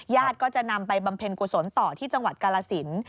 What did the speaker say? ก็จะนำไปบำเพ็ญกุศลต่อที่จังหวัดกาลสิน